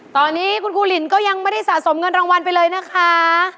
ตอนนี้คุณครูลินก็ยังไม่ได้สะสมเงินรางวัลไปเลยนะคะ